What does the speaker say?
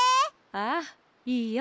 ああいいよ。